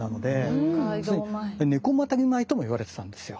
「猫またぎ米」とも言われてたんですよ。